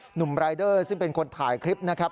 หนุ่มรายเดอร์ซึ่งเป็นคนถ่ายคลิปนะครับ